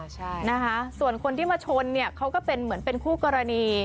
ใช่นะคะส่วนคนที่มาชนเนี่ยเขาก็เป็นเหมือนเป็นคู่กรณี